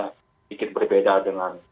sedikit berbeda dengan